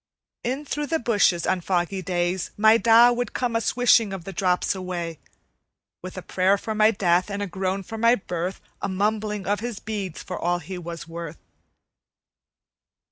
In through the bushes, on foggy days, My Da would come a swishing of the drops away, With a prayer for my death and a groan for my birth, A mumbling of his beads for all he was worth.